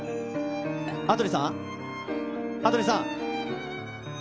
羽鳥さん、羽鳥さん。